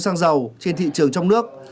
xăng dầu trên thị trường trong nước